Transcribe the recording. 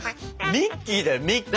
ミッキーだよミッキー。